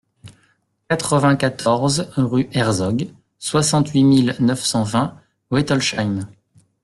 quatre-vingt-quatorze rue Herzog, soixante-huit mille neuf cent vingt Wettolsheim